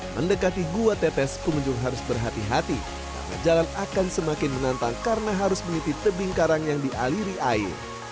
mendekati gua tetes pengunjung harus berhati hati karena jalan akan semakin menantang karena harus meniti tebing karang yang dialiri air